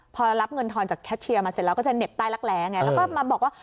พอรับเงินทอนจากแคทเชียร์มาเสร็จแล้วก็จะเหน็บใต้รักแร้ไงแล้วก็มาบอกว่า